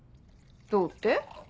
どうって？